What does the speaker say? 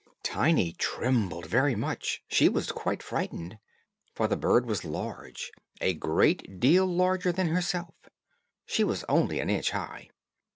Tiny trembled very much; she was quite frightened, for the bird was large, a great deal larger than herself, she was only an inch high.